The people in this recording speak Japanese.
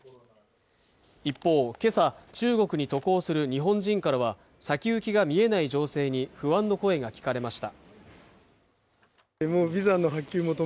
一方けさ中国に渡航する日本人からは先行きが見えない情勢に不安の声が聞かれました